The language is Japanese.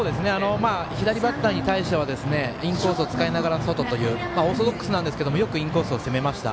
左バッターに対してはインコースを使いながら外というオーソドックスなんですがよく外を攻めました。